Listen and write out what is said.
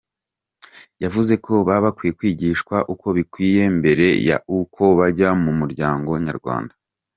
Yavuze ko baba bakwiye kwigishwa uko bikwiye mbere y’uko bajya mu muryango nyarwanda.